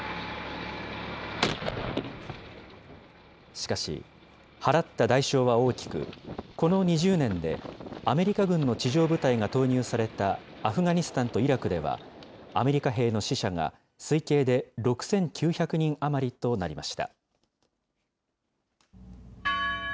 しかし、払った代償は大きく、この２０年でアメリカ軍の地上部隊が投入されたアフガニスタンとイラクでは、アメリカ兵の死者が推計で６９００人余りとなりました。